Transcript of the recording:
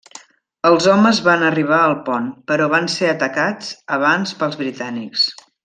Els homes van arribar al pont, però van ser atacats abans pels britànics.